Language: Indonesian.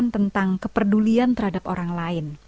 tentang kepedulian terhadap orang lain